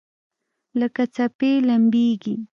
لکه څپې لمبیږي